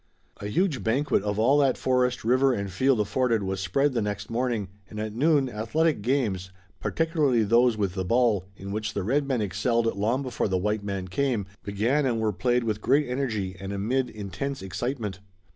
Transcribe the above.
A huge banquet of all that forest, river and field afforded was spread the next morning, and at noon athletic games, particularly those with the ball, in which the red man excelled long before the white man came, began and were played with great energy and amid intense excitement.